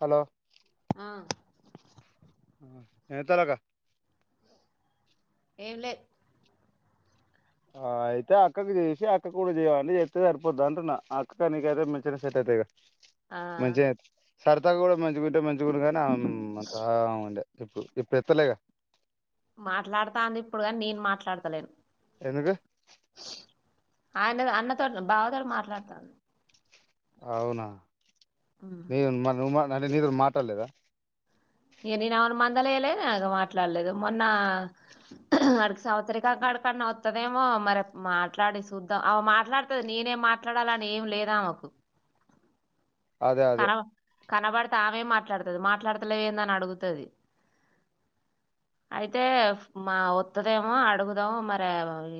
Hello ఆ ఎ తాలకా ఏం లే ఆ అయితే అక్కకు చేసి అక్కకు కూడా చేయండి చెప్తే సరిపోద్ అంటున్నా అక్క కా నక అయితే మించిన సెట్ అయితే ఆ సరతాగా కూడా మంచి అంటే మంచిగులు కానీ అంతండడి ఇప్పుడు ఇప్పుడు ఎత్తలేగా మాట్లాడతా అంది ఇప్పుడు కాని నేను మాట్లాడతలేను ఎందుకు ఆయన అన్నతో బావతో మాట్లాడుతాను అవునా ఏమా ఉ అ నదరు మాట్లేదా న నేను అవును మందలుయలేదుక మాట్లాడలేదు మొన్న అడికి సవతరికాక అడక అవుతదేమో మరి మాట్లాడి చూద్దాం అ మాట్లాడుతది నేనేం మాట్లాడాల అని ఏం లేదా మాకు అదే అదే కనబడితే ఆమె మాట్లాడుతుంది మాట్లాడతలే ఏందని అడుగుతుది అయితే మా ఒతుదేమో అడుగుదాము మరి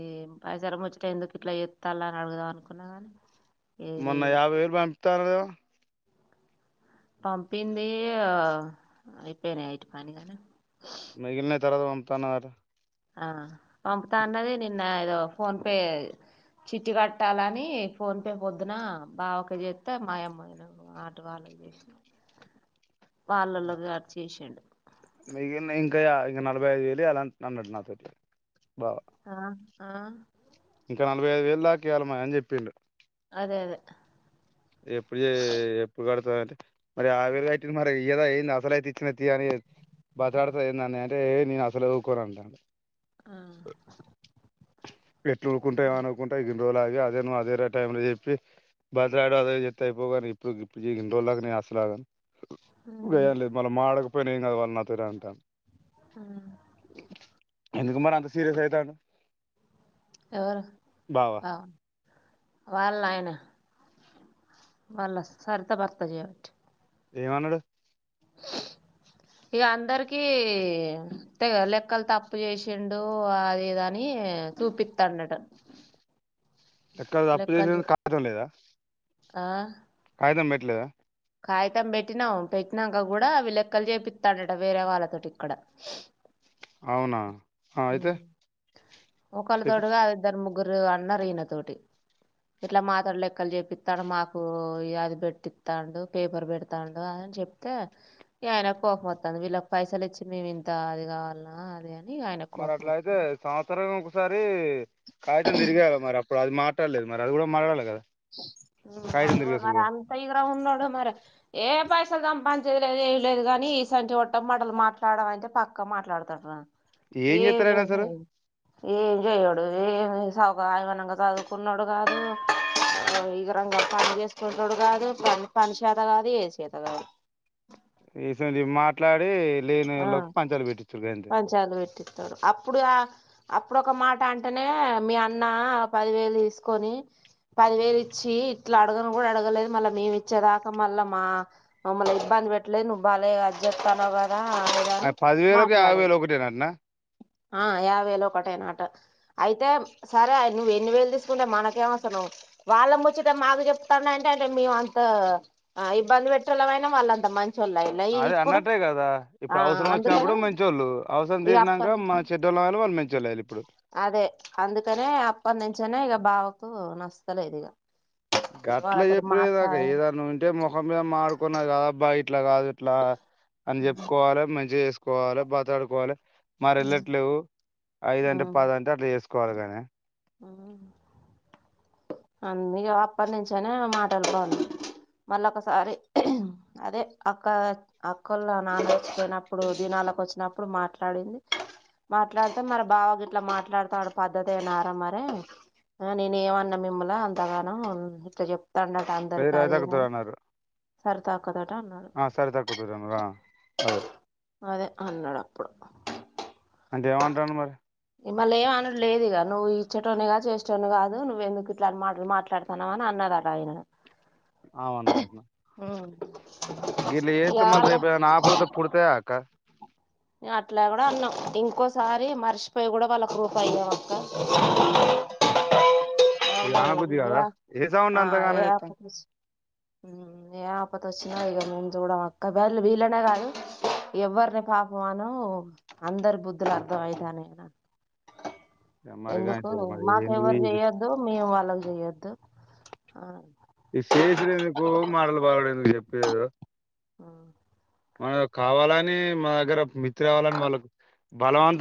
ఈ పరిసరం వచ్చట ఎందుకు ఇట్లా ఎత్తాలని అడుగుదాం అనుకున్నా ని మొన్న యాభై వేళ్ళు పంప [unintelligible] పంపింది అయిపోయినాయి అయిటి పనిగానే మిగిలిన తర్వాత పంపుతాంద ఆ పంపత అన్నది నిన్ ఏదో ఫోన్ పే చిట్టి కట్టాలని ఫోన్ పే పొద్దున బావక చేస్త మాయమ్మ ఆటు వాళ్ళకి చేసిన వాళ్ళలో గారు చేసాండు మిగిలిన ఇంకా ఇంక నలభై ఐదు వేలి అలా అన్నాడు నాతోటి బాబ ఆ ఆ ఇంకా నలభై వేలు దాకా ఇయ్యాలి మా అని చెప్పిండు అదే అదే ఎప్పుడు ఎప్పుడు కడ అంటే మరి ఆ వేలు అ మరి ఏద ఏంది అసలుైతే ఇచ్చిన తీ అని బతలాడత ఏందన్న అంటే నేను అసలు ఊకోన అంటా ఆ పెట్లుకుంటా అనవకుంటాయి రోల్ ఆగి అదేను అదేరా టైమ్ లో చెప్పి బాధ డు అదే చెత్ అయిపోగానీ ఇప్పుడు ఇప్పు ఇ రజులకి నే అస్లులాగాను గాయ లేదు మళ్ మాడగా పోయినా కా వాళ్ళ నా తే అంటను మ్మ్ ఎందుక మరీ అంత సీరియస్ అయితనవ్ ఎవరు బావ వాళ్ళ ఆయన వాల్ సరిత భర్త చేయ పట్ ఏమన్నాడు ఇక అందరికి లెక్కలు తప్పు చేసిండు అది ఇది అని చూపిస్తాండట ఎక్కడ తప్పు చేసినకు కాం లేదా ఆ కాయితం పెట్టట్లేదా కాగితం పెట్టినాం పెట్టిక కూడా అవి లెక్కలు చేపిస్తాడట వేరే వాళ్ళతోటి ఇక్కడ అవునా ఆ అయితే ఓకలు చేపి తోదు కాదు ఇద్దరు ము ము గుగురు అన్నారు ఈయన తోటి ఇట్లా మాతోడు లెక్కలు చెప్పస్తాడు మాకు అది పెట్టిస్తాండు పేపర్ పెడతాండు అని చెప్తే ఆయన కోపం వతుంది వీళ్ళకి పైసలు ఇచ్చి మేము ఇంత అది కావాల అది అని ఆయనకు మరి కోపం అట్లా అయితే వత్తాంది సంవత్సరం ఒకసారి కాగితం తిరిగాయలో మరి అప్పుడు అది మాట్లాడలేదు మరి అది కూడా మాట్లాడాలి కదా కాగితం అది కూడా తిరిగేసుడు మరి అంత వివరం ఉంనోడు మరి ఏ ప అస పనించయ ఏం లేదు కానీ ఈసని చడట మాటలు మాట్లాడమంటే పక్కా మాట్లాడుతాడు ఏం ఏ లే చేస్తారైనా అసలు ఏజయడు ఏ సౌగాయమనంగా చదువుకున్నాడు కాదు ఈ రంగా పని చేసుకుంటాడు కాదు పని పని చేత కాదు ఏ చేత కాదు ఈశాంతివి మాట్లాడి అే లేని ఆ లో పంచాలు పెట్టిచ్చాడు ఏంటి పంచాలు పెట్టిస్తాడు అప్పుడు అప్పుడుొ ఒక మాట అంటేనే మీ అన్న పదివేలు తీసుకొని పదివేలు ఇచ్చి ఇట్లా అడగను కూడా అడగలేదు మళ్ళీ మేము ఇచ్చేదాకా మళ్ళ మా మమ్మల్నీ ఇబ్బంది పెట్టలేదు నువ్వు బాలే అది చెస్తానోద అ పది వేలుకి యాభై వేలు ఒకటేనటనా ఆ యాభ వేలు ఒకటనాట అయితే సరే నువ్వు ఎన్ని వేలు తీసుకుంటే మనకేం అసన్నా వాళ్ళ ముచ్చిట మాకు చెప్తాన్నా అంటే అంటే మేము అంత ఇబ్బంది పెట్టల అయినా వాళ్ళంత మంచి అదే అన్నట్టే కదా ఆ ఇప్పుడు అవసరం వచ్చినప్పుడు అందుకని మంచోళ్ళు అవసరం ఇక అప్పటి తీరినాక నుంచి మా చెడ్డలు వాళ వాళ్ళ మ చులలి అదే అందుకనే అప్ప నుంచనే ఇక బావకు నష్టలేదు ఇక గట్ల వాళ్ళతోటి చెప్పడ నాక మాట్లాడ ఏదా నుంటే ముఖం మీద మాడుకున్నా కదా బయట ఇట్లా కాదు ఇట్లా అని చెప్పుకోవాలి మంచిగా కోవాలే మాట్లాడుకోవాలే మరేళ్ళట్లేవు ఐడెంట్ పాదంటే అట్లా చేసుకోవాలి గానే అన్నిగో అప్పటి నుంచనే మాటలు బందు మళ్ళ ఒకసారి అదే అక్క అక్కోల నాన్న చచ్చిపోయినప్పుడు దీనాలకు వచ్చినప్పుడు మాట్లాడింది మాట్లాడితే మరి బావ గిట్లా మాట్లాడుతాడు పద్ధతేనారా మరే నేను ఏమన్నా మిమ్ముల అంతగానం ఇట్ల చెప్ తండట అందరు వెయ్యి రూపాయలు కాది ఇది తగ్గుతది అని అన్నారు సరితక్క తోటి అన్నాడు ఆ సరే తగ్గుతది అన్నారు ఆ అదే అదే అన్నాడు అప్పుడు అంటే ఏమంటండు మరి మళ్ళ ఏం అనుడు లేదు ఇగా నువ్వు ఇచ్చటోనిగాదు చేసేటోనివి కాదు నువ్వు ఎందుకు ఇట్లాంటి మాటలు మాట్లాడుతాన్నావ అని అన్నాదట ఆయనను ఆమె అన్నాదాటనా గిట్ల ఇగ చెత్తే మల్ల వాళ్ళ రేపు ఏదన్న అపదతే పుడతాయ అక్క నే అట్లా కూడా అన్నాం ఇంకోసారి మరిచిపోయి కూడా వాళ్ళ కు రూపాయి ఇయ్యాం అక్క ఇగ ఆనబుద్ధి వాళ్ళు కదా యా ఏ సౌండ్ ఆ అంత ఏ గానం చేత్త ఆపత్ వచ్ ఏ ఆపత వచ్చినా ఇగ మేము చూడం అక్క వళ్ళు వీళ్లనే కాదు ఎవ్వరిని పాపమనం అందరి బుద్ధులు అర్థం అయితానే అన ఇగ మరి ఎందుకు గంతే మరి మాకు ఏంది ఎవరు చెయొద్దు మేము వాళ్ళ జేయద్దు ఆ ఇ చేసుడేందుకు మాటలు బాడుడేందుకు చెప్పు ఏదో ఆ మనకు కావాలని మా దగ్గర మి కావాలని వాళ్ళకు బలవం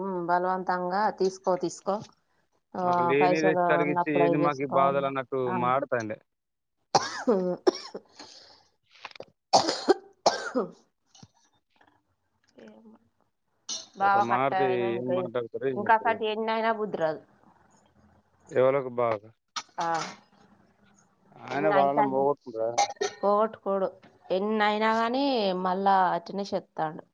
మ్ బలవంతంగా తీసుకో తీసుకో మాకు లేనిది పైసలు ఇచ్చినట్టుగా ఇచ్చి ఉన్నప్పుడు అవి ఏంది మాకు ఈ చేసుకో బాధలు అన్నటు అన్నట్టు ఆ మాట్లాడతాండే [inaudible] ఏమో బావ అట్లా కట్ట మాట్లాడితే అయినా ఏం ఇంకా మాట్లాడతారో ఏం ఇంకా చేస్తారో అసంటి ఎన్ని అయినా బుద్ది రాదు ఎవళకు బాధ ఆ ఆయన వాళ్ళని ఇన్నైతంటే పోగొట్టుకుంటడా పోగొట్టు పోడు ఎన్ని అయినా గానీ మళ్ళా అటనే షెత్తండు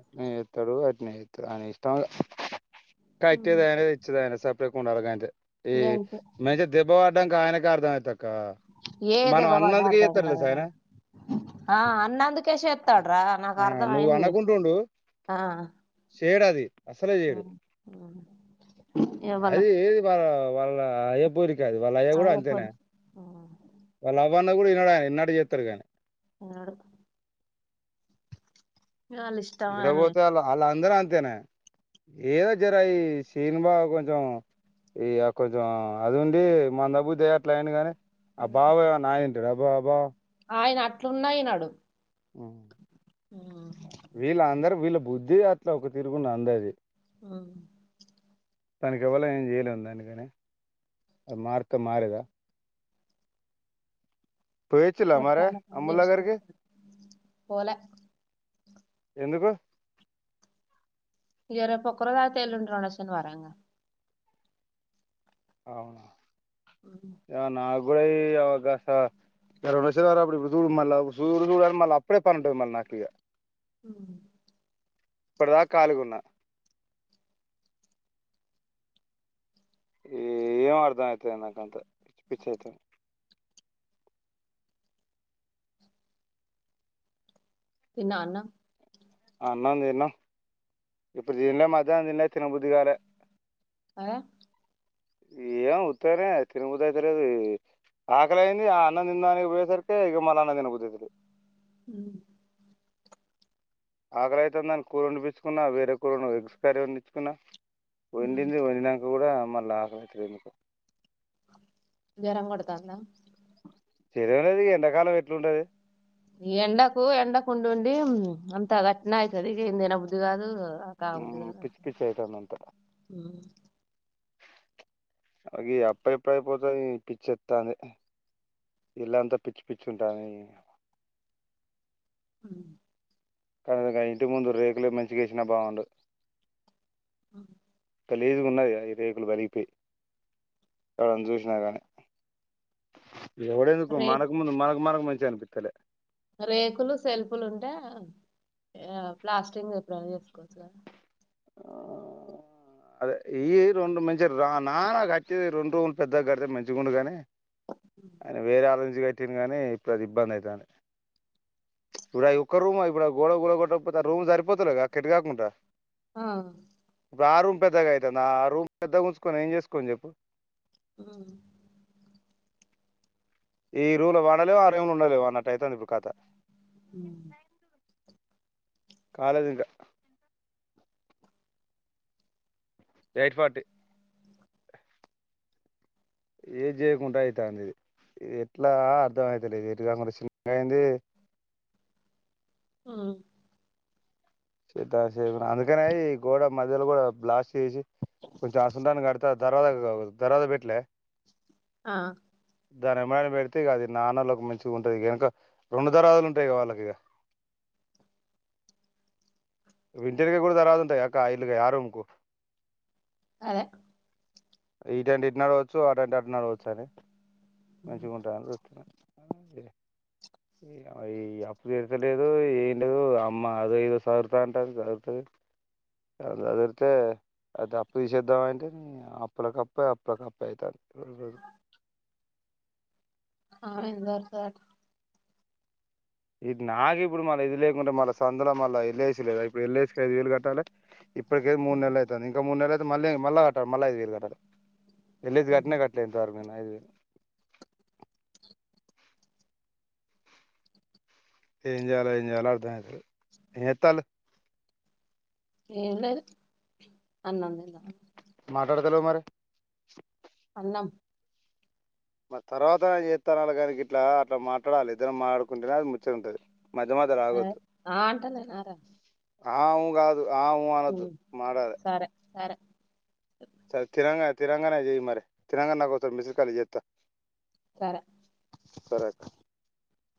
అట్ననే జేతడు అట్ననే చేతది ఆయన ఇష్టం ఇగ కట్టే దాయనే తెచ్చెదాయనే సప్ సాప్డెకుండలే గంతే ఏ గంతే మంచి దెబ్బ వడ్డంకా ఆయనకు అర్ధమైతకు ఏదే దెబ్బ వడ్డ అర్థం గాదు తెలుసా రా ఆయన ఆ అన్నందుకే షేత్తాడు రా నాకు ఆ అర్థం నువ్వు అయింది ఆ చేయడది [inaudible] ఇవాళ అది ఏది వాళ్ళ వాళ్ళ అయ్య పోలి వాళ్ళ అయ్య గూడా అయ్యే అంతేనే పొద్దు వాళ్ళ నువన్న గూడా ఇనడు ఆయన ఇన్నటు చేస్తడు గానీ ఇనడు ఇష్టం ఇర అని పోతే ఆళ్ళందరూ అం అంతేనే ఏదో జర ఈ సినిమా కొంచెం ఇగ కొంచెం అది ఉండి మందబుద్ది అట్ల అయిండు గాని ఆ భావ ఏంన్నా ఆగిం రబాబా ఆయన అట్లున్నా యినడు. అ [inaudible] మ్ వీళ్ళ అందరూ వీళ్ళ బుద్ధి అట్లా ఒక తిరుగున్నది అందరిది. ఆ దానికి ఎవళం ఏం చేయలేం దానికని అది మార్తే మారేదా. పోయివచ్చిలా మరి పొద్దున్న పని అమ్ములు చేసి దగ్గరికి పోలే ఎందుకు ఇగ రేపు ఒక్కరోజు ఆగితే తె ఎల్లుండి రెండో శనివారంగా అవును నాకు ఇప్పుడు అ రెండో శనివారం అప్పు ఇప్పుడు చూడు మల్ చూడు చూడు మళ్ళ అప్పుడే పని ఉంటది. మళ్ళ నాకు హ ఇప్పుడదాకా ఖాళీగున్న, ఏ ఏం అర్ధం అయిత లేదు. నాకంత పిచ్చిపిచ్చి అయితాంది. తిన్నావా అన్నం. అన్నం తిన్నం ఇప్పుడు దీన్లే మధ్యాహ్నం తిన్లే తినబుద్ధి కాలే. అదే ఏం ఉత్తగనే తిన బుద్ధియితలేదు ఆకలియింది. ఆ అన్న తినుదానికి పోయేసరికే ఇక మళ్ళ అన్నం తిన బుద్ధియితలేదు. అ ఆకలైత దాని కూర అనిపించుకున్న వేరే కూరను ఎగ్స్ కర్రీ అండిపించుకున్న. వండింది వండినంక కూడా. మళ్ళ ఆకలయితది. జ్వరం కోడ్తదాందా. జ్వరం లేదు ఇగ ఎండాకాలం ఎట్ల ఉంటది. ఎండకు ఎండడాక్కు ఉండ ఉండి అంత గట్న అయితది ఏం తిన బుద్దిగాదు. ఉమ్ పిచ్చి పిచ్చి అయితాంది అంతా అ గీధి అప్ప జెప్తే అయిపోతది. పిచ్చి ఎచంది ఇల్లాంతా పిచ్చి పిచ్చి ఉంటాది. అ కానీ ఇంటి ముందు రేకులే మంచిగా ఎసినా బాగుండు. అ గలీజ్ గా ఉన్నది అ రేకులు పలిగిపోయి ఎవడన్నా చూసినా కానీ ఎవడ్ ఎందుకు, రే మనక్ ముందు మనక్ మనక్. మంచిగాన్పిత్తలే. రేకులు సెల్పులు ఉంటే, ఆ ప్లాస్టింగ్ ఎప్పుడన్న చేసుకోవచ్చు గా. ఆ అదే, ఇయ్యి రెండు మంచి రా నాన్న గట్టేది రెండు రూములు, పెద్దగా గడితే మంచిగుండు గని. ఆయన వేరే ఆలోచిత్. ఇల్లు గట్టిండు గాని, ఇప్పుడు అది ఇబ్బంది అయితాంది. [unintelligible] ఒక్క రూమ్ అయి గూడ గోడ కూలగొట్ట, ఆ రూమ్ సరిపోతలేవ్ గా అక్క ఎటుగాకుంటా. ఆ. గా రూమ్ పెద్దగా అవుతాంద్, ఆ రూమ్ పెద్దగా ఉంచుకోని ఏం చేసుకోను చెప్పు. ఉమ్. ఈ రూలు వాడలు, ఆ [unintelligible] ఉండలేవు అన్నట్టు అయితాంది ఇప్పుడు కాథ. కాలేద్ ఇగా. Eight party. ఏం చేయకుండా అయితాంది ఇది. ఇది ఎట్లా అర్థం అయితలేదు ఎటు కాకుండా చిన్నగా అయింది. ఉమ్. [unintelligible] అందుకనే ఈ గోడ మధ్యలో గూడా బ్లాస్ట్. చేసి కొంచం [unintelligible] కడ్తద్. దర్వాజకు దర్వాజా భేట్లే. ఆ. దాని ఎమ్మటే పెడితే, ఇగా అది నాన్నళ్ళకు మంచిగా ఉంటుది గనుక, రెండు దర్వాజాలు ఉంటాయి వాళ్ళకి ఇగా. ఇంటిఎనుక కూడా దర్వాజా ఉంటాయి గా, అక్క ఆ ఇల్లు, ఆ రూమ్ కు. అదే. ఇటంటే ఇటునాడవచ్చు, అటంటే అటు నడవచ్చు అని. మంచిగుంటదని చూత్తూన్న. ఈ అవ్వ ఈ అప్పు ఎల్ల్తా లేదు, ఏం లేదు అమ్మ అదో ఐదో సాదుర్త్. [unintelligible] అంటాంది సదురుతది. అది సదురితే, అది అప్పు తీసేద్దామ్ అంటే, నీ అప్పులకు అప్పే, అప్పులకు అప్పే అవుతాంది. [inaudible] ఆ ఎందర్ సార్. ఇది నాకు ఇప్పుడు మళ్ళ ఇది లేకుంటే మళ్ళ సందులో మళ్ళా ఎల్ ఐ సి లేదా, ఇప్పుడు ఎల్ ఐ సి ఐదు వేలు కట్టాలే. ఇప్పటికే మూడ్ నెల్ అయితాంది, ఇంకా మూడ్ నెల్ ఐత్. మల్లెమ్ మళ్ళ కట్టాలే, మళ్ళ ఐదు వేలు కట్టాలే. ఎల్ ఐ సి ఘట్ననే కట్లే, ఇంత వరకు నేను ఐదు వెల్. ఏంజేయాలో ఏంజేయాలో అర్థమైతలేదు, ఏం జెత్తలు. ఏం లేదు అన్నం తిందాం అని. మాట్లాడతలేవ్ మరి. అన్నం. మరి తర్వాత నేను చేత్త అనాలే గాని, గీట్లా అట్లా మాట్లాడాలే, ఇద్దరం మాట్లాడుకుంటేనే అది ముచ్చటఉంటది. ఆ ఆ అంట లేనారా. ఆ ఉ గాద్. ఆ ఉ అనోద్దు మాడాలే. సరే సరే సరే తినంగానే, తినంగానే చేయి మరి, తినంగానే నాకు ఒకసారి మిసిడ్ కాల్ ఇయ్యి జేత్తా. సరే సరే అక్క.